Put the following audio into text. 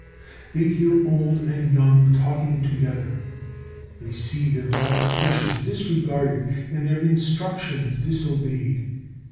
They hear old and young talking together; they see their last wishes disregarded and their instructions disobeyed.